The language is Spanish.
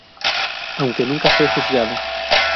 Aunque nunca fue juzgado.